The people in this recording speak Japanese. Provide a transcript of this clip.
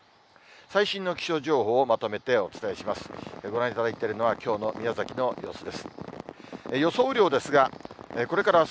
最新の気象情報をまとめてお伝えします。